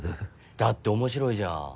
だって面白いじゃん。